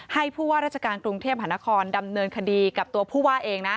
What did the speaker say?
ผู้ว่าราชการกรุงเทพหานครดำเนินคดีกับตัวผู้ว่าเองนะ